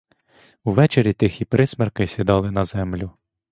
Увечері тихі присмерки сідали на землю.